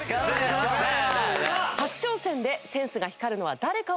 初挑戦でセンスが光るのは誰か？を競います。